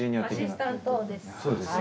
アシスタントです。